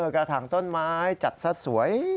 กระถางต้นไม้จัดซะสวย